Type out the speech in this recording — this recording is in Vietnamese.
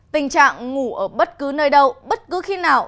tình trạng ngủ ở bất cứ nơi đâu bất cứ khi nào